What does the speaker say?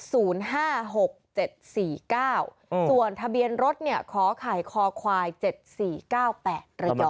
ส่วนทะเบียนรถเนี่ยขอข่ายคอควาย๗๔๙๘เลยต่อ